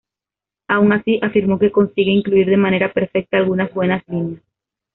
Aun así, afirmó que consigue incluir de manera perfecta algunas buenas líneas.